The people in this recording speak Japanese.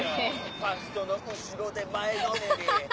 ファーストの後ろで前のめりハハハハ！